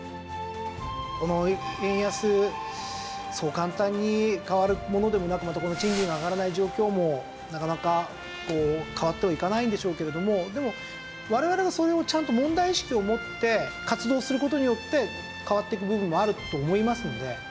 この円安そう簡単に変わるものでもなくまたこの賃金が上がらない状況もなかなか変わってはいかないんでしょうけれどもでも我々がそれをちゃんと問題意識を持って活動する事によって変わっていく部分もあると思いますので。